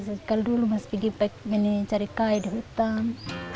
sekali dulu masih pergi cari kain di hutan